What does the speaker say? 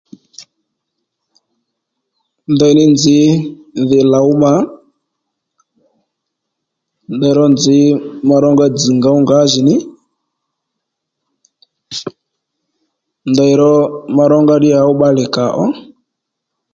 Ndaní nzǐy dhi lǒw ma ndeyró nzǐ ma rónga dzz̀ ngǒw ngǎjìní ndeyró ma rónga ddí wǎ bbalè kàò